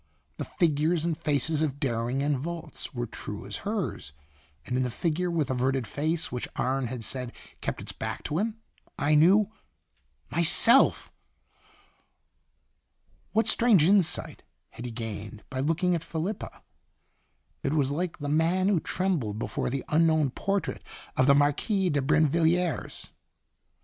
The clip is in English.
The figures and faces of Dering and Volz were true as hers, and in the figure with averted face which Arne had said kept its back to him, I knew myself! What strange insight had he gained by looking at Felipa? It was like the man who trembled before the unknown portrait of the Marquise de Brinvilliers.